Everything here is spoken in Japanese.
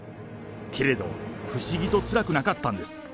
けれど、不思議とつらくなかったんです。